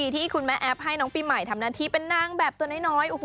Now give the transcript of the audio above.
ที่คุณแม่แอฟให้น้องปีใหม่ทำหน้าที่เป็นนางแบบตัวน้อย